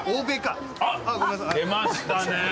あっ出ましたね